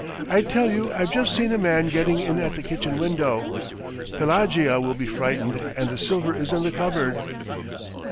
I tell you I've just seen a man getting in at the kitchen window! Pelagea will be frightened and ... and the silver is in the cupboard!"